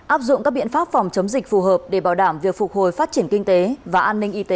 áp dụng các biện pháp phòng chống dịch phù hợp để bảo đảm việc phục hồi phát triển kinh tế và an ninh y tế